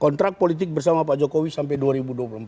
kontrak politik bersama pak jokowi sampai dua ribu dua puluh empat